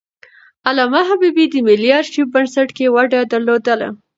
علامه حبيبي د ملي آرشیف بنسټ کې ونډه درلودله.